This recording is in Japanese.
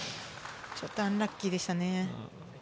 ちょっとアンラッキーでしたね。